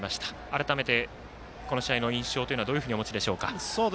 改めてこの試合の印象というのはどのようにお持ちでしょうか？